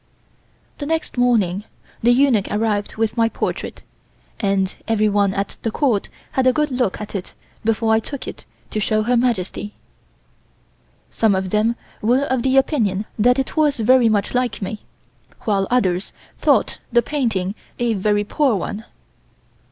The next morning the eunuch arrived with my portrait, and everyone at the Court had a good look at it before I took it to show to Her Majesty. Some of them were of the opinion that it was very much like me, while the others thought the painting a very poor one.